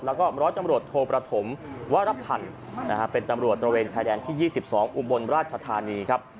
แล้วก็ร้อยตำรวจโทประถมวรพันธ์เป็นตำรวจตระเวนชายแดนที่๒๒อุบลราชธานีครับ